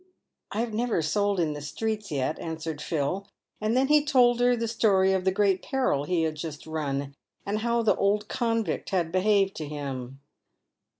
" I've never sold in the streets yet," answered Phil ; and then he told her the story of the great peril he had just run, and how the old convict had behaved to him.